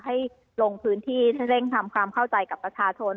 ให้ลงพื้นที่ให้เร่งทำความเข้าใจกับประชาชน